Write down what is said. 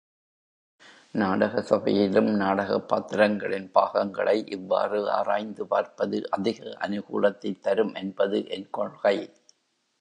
நாடக சபையிலும் நாடகப் பாத்திரங்களின் பாகங்களை இவ்வாறு ஆராய்ந்து பார்ப்பது அதிக அனுகூலத்தைத் தரும் என்பது என் கொள்கை.